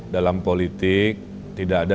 dalam politik tidak ada